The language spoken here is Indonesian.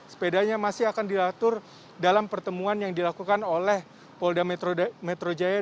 sepedanya masih akan diatur dalam pertemuan yang dilakukan oleh polda metro jaya